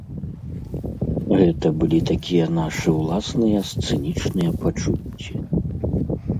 Гэта былі такія нашы ўласныя сцэнічныя пачуцці.